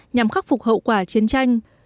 nhằm khắc phục hậu quả chiến tranh